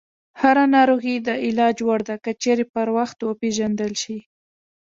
هره ناروغي د علاج وړ ده، که چیرې پر وخت وپېژندل شي.